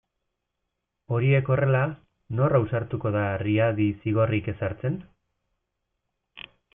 Horiek horrela, nor ausartuko da Riadi zigorrik ezartzen?